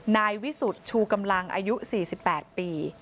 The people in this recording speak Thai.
นายวิสุทธิ์ชูกำลังอายุ๔๘ปี